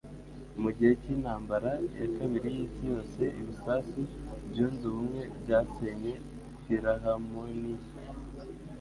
Mu gihe cy'Intambara ya Kabiri y'Isi Yose, ibisasu byunze ubumwe byasenye Philharmonie,